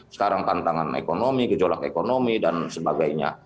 sekarang tantangan ekonomi gejolak ekonomi dan sebagainya